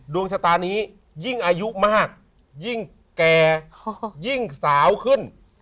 ดวงชะตานี้ยิ่งอายุมากยิ่งแก่ยิ่งสาวขึ้น